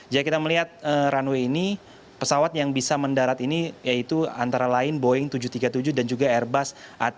jadi kita melihat runway ini pesawat yang bisa mendarat ini yaitu antara lain boeing tujuh ratus tiga puluh tujuh dan juga airbus